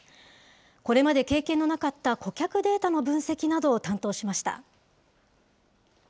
これまで経験のなかった顧客データの分析などを担当しました。